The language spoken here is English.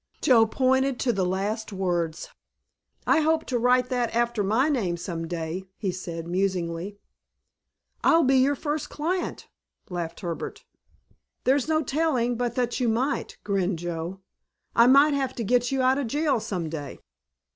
Joe pointed to the last words. "I hope to write that after my name some day," he said musingly. "I'll be your first client," laughed Herbert. "There's no telling but that you might," grinned Joe; "I might have to get you out of jail some day."